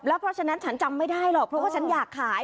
เพราะฉะนั้นฉันจำไม่ได้หรอกเพราะว่าฉันอยากขาย